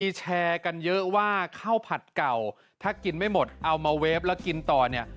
มีแชร์กันเยอะว่าข้าวผัดเก่าถ้ากินไม่หมดเอามาเฟฟแล้วกินต่อเนี่ย